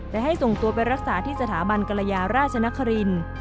และให้ส่งตัวไปรักษาที่สถาบันกรยาราชนครินทร์